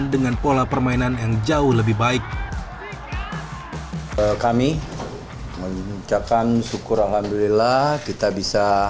tidak ada hal hal yang saya pikir apa yang sebelumnya terjadi